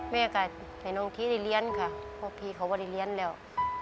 แม่ก็ให้น้องทีได้เรียนค่ะเพราะพี่เขาไม่ได้เรียนแล้ว